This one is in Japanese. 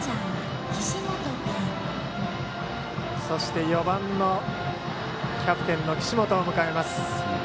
そして４番のキャプテンの岸本を迎えます。